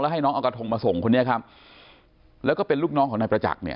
ให้น้องเอากระทงมาส่งคนนี้ครับแล้วก็เป็นลูกน้องของนายประจักษ์เนี่ย